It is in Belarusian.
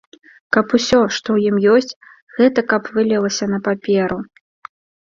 Каб усё, што ў ім ёсць, гэта каб вылілася на паперу.